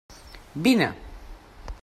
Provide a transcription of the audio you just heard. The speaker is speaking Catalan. Vine!